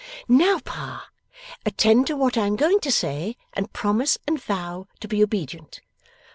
'Now, Pa, attend to what I am going to say, and promise and vow to be obedient.